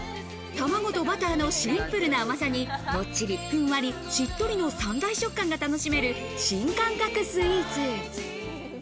卵とバターのシンプルな甘さに、もっちりふんわりしっとりの三大食感が楽しめる新感覚スイーツ。